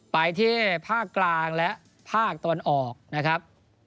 ไปที่ภาคกลางและภาคตะวันออกนะครับ